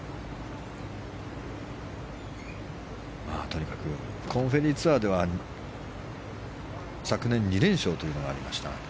とにかくコーンフェリーツアーでは昨年、２連勝というのがありました。